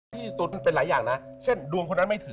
ไม่เชื่อยารบหนู